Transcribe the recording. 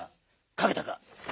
かけたか？